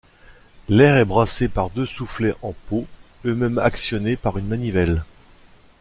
L'air est brassé par deux soufflets en peau eux-mêmes actionnés par une manivelle.